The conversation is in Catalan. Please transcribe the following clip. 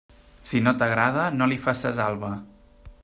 Si no t'agrada, no li faces alba.